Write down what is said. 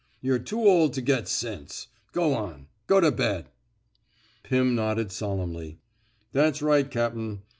You're too old to get sense. Go on. Go to bed." Pirn nodded solemnly. That's right, cap'n.